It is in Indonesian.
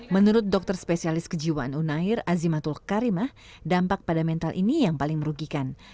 menurut dokter spesialis kejiwaan unair azimatul karimah dampak pada mental ini yang paling merugikan